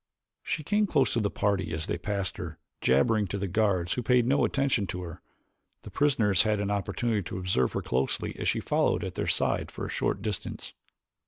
She came close to the party as they passed her, jabbering to the guards who paid no attention to her. The prisoners had an opportunity to observe her closely as she followed at their side for a short distance.